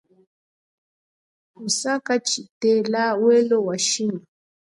Musaka tshitela welo wa shima.